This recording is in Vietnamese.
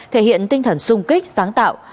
thể hiện tinh thần sung kích sáng tạo